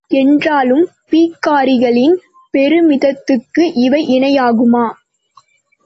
என்றாலும், பீகாரிகளின் பெருமிதத்துக்கு இவை இணையாகுமா?